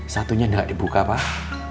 satunya nggak dibuka pak